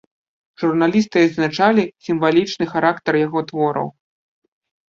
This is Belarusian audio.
Журналісты адзначалі сімвалічны характар яго твораў.